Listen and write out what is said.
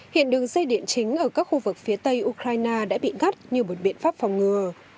hiện đường dây điện chính ở các khu vực phía tây ukraine đã bị ngắt như một biện pháp phòng ngừa